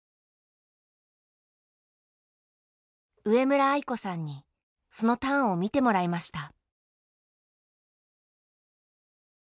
上村愛子さんにそのターンを見てもらいました。